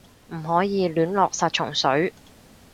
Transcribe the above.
唔可以亂落殺蟲水